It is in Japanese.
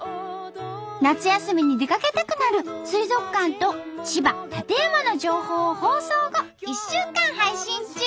夏休みに出かけたくなる水族館と千葉館山の情報を放送後１週間配信中！